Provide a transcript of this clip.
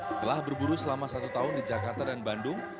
setelah berburu selama satu tahun di jakarta dan bandung